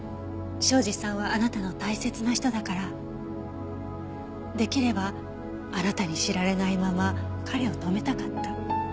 庄司さんはあなたの大切な人だからできればあなたに知られないまま彼を止めたかった。